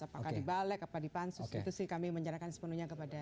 apakah di balik apa di pansus itu sih kami menyerahkan sepenuhnya kepada